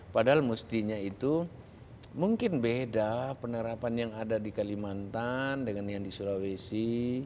padahal mestinya itu mungkin beda penerapan yang ada di kalimantan dengan yang di sulawesi